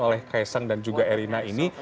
oleh kaisang dan juga erina ini